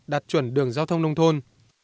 đạt chuẩn đường giao thông nông thôn